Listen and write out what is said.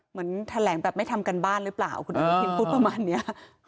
เหมือนแถลงแบบไม่ทำการบ้านหรือเปล่าคุณอนุทินพูดประมาณนี้